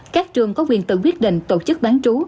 các trường có quyền tự quyết định tổ chức bán trú